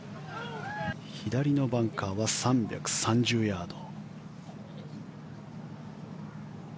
左のバンカーは３３０ヤード。